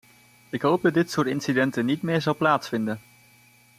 Ik hoop dat dit soort incidenten niet meer zal plaatsvinden.